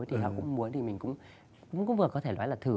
thì họ cũng muốn thì mình cũng vừa có thể nói là thử